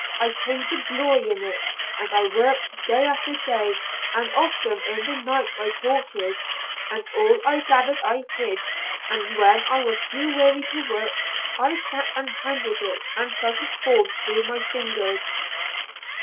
I came to glory in it, and I worked day after day, and often in the night by torches, and all I gathered I hid, and when I was too weary to work, I sat and handled it and felt it fall through my fingers.